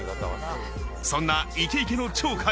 そんなイケイケの鳥海。